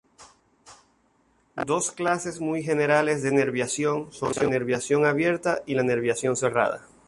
Dos clases muy generales de nerviación son la nerviación abierta y la nerviación cerrada.